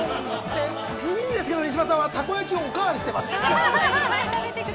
地味にですが石破さんはたこ焼きをおかわりしています。